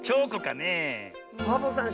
サボさん